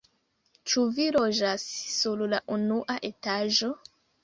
Ĉu vi loĝas sur la unua etaĝo?